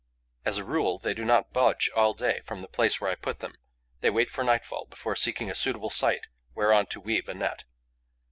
As a rule, they do not budge all day from the place where I put them: they wait for nightfall before seeking a suitable site whereon to weave a net.